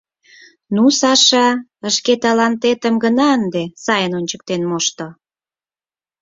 Ну, Саша, шке талантетым гына ынде сайын ончыктен мошто!